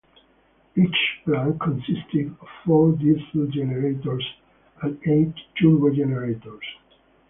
Each plant consisted of four diesel generators and eight turbo-generators.